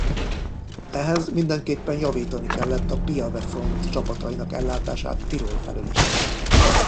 Ehhez mindenképpen javítani kellett a Piave-front csapatainak ellátását Tirol felől is.